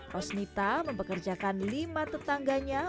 rosnita mempekerjakan lima tetangganya